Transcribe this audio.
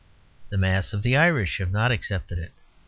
The mass of the Irish have not accepted it.